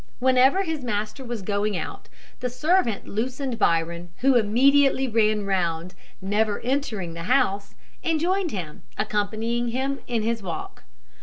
Whenever his master was going out, the servant loosened Byron, who immediately ran round, never entering the house, and joined him, accompanying him in his walk.